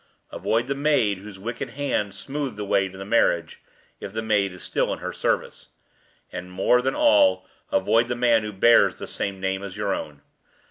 Avoid the maid whose wicked hand smoothed the way to the marriage if the maid is still in her service. And, more than all, avoid the man who bears the same name as your own.